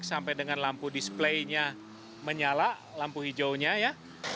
sampai dengan lampu display nya menyala lampu hijaunya ya